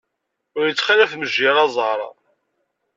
Ur yettxalaf mejjir aẓar.